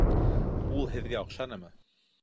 Ул һеҙгә оҡшанымы?